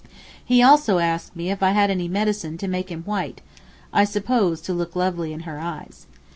He also asked me if I had any medicine to make him white, I suppose to look lovely in her eyes.